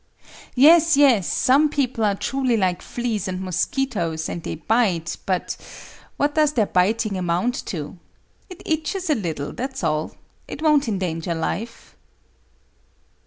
Yes, yes! some people are truly like fleas and mosquitoes and they bite—but what does their biting amount to? It itches a little, that's all; it won't endanger life."